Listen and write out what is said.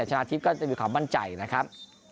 ชนะอาทิตย์ก็จะเป็นความมั่นใจนะครับ